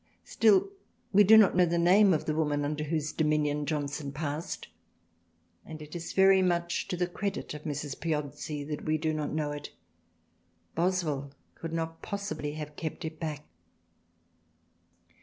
Still we do not know the name of the woman under whose dominion Johnson passed, and it is very much to the credit of Mrs. Piozzi that we do not know it. Boswell could not possibly have kept it back.